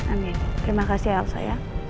amin terima kasih ya elsa ya